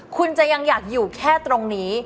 คุณจะยังอยากอยู่แค่ตรงนี้